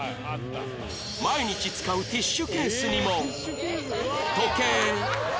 毎日使うティッシュケースにも時計